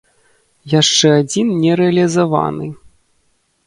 Яшчэ адзін не рэалізаваны.